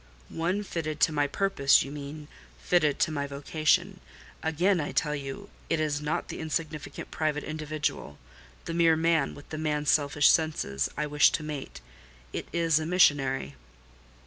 "One fitted to my purpose, you mean—fitted to my vocation. Again I tell you it is not the insignificant private individual—the mere man, with the man's selfish senses—I wish to mate: it is the missionary."